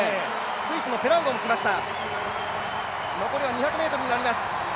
スイスのペラウドも来ました。